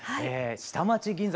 「下町銀座」